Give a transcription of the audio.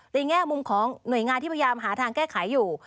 แง่มุมของหน่วยงานที่พยายามหาทางแก้ไขอยู่